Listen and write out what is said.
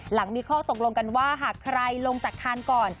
หลังมีข้อตกลงกันว่าหากใครลงจากคานก่อน